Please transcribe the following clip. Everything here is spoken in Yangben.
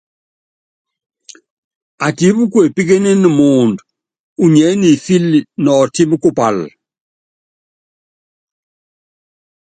Atipí kuepíkíníni muundú unyiɛ́ nimfíli nɔɔtímí kupála.